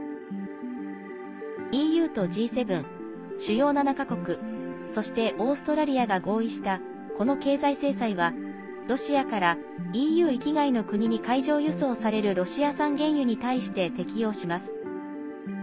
ＥＵとＧ７＝主要７か国そしてオーストラリアが合意したこの経済制裁はロシアからＥＵ域外の国に海上輸送されるロシア産原油に対して適用します。